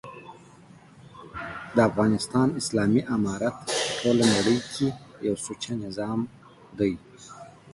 دافغانستان اسلامي امارت په ټوله نړۍ کي یو سوچه نظام دی